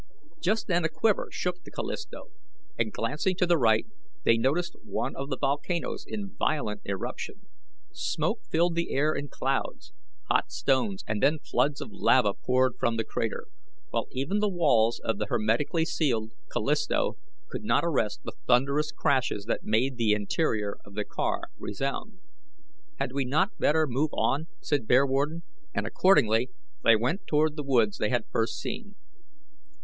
Just then a quiver shook the Callisto, and glancing to the right they noticed one of the volcanoes in violent eruption. Smoke filled the air in clouds, hot stones and then floods of lava poured from the crater, while even the walls of the hermetically sealed Callisto could not arrest the thunderous crashes that made the interior of the car resound. "Had we not better move on?" said Bearwarden, and accordingly they went toward the woods they had first seen.